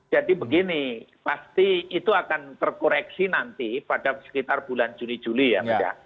jadi begini pasti itu akan terkoreksi nanti pada sekitar bulan juni juli ya